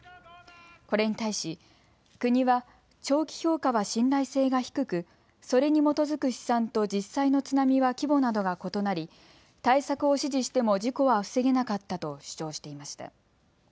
これに対し国は、長期評価は信頼性が低くそれに基づく試算と実際の津波は規模などが異なり対策を指示しても事故は防げなかったと主張していました。